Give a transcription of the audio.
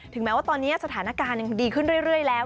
แม้ว่าตอนนี้สถานการณ์ยังดีขึ้นเรื่อยแล้ว